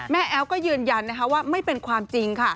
แอ๊วก็ยืนยันว่าไม่เป็นความจริงค่ะ